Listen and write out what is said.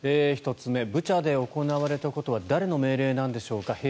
１つ目、ブチャで行われたことは誰の命令なんでしょうか？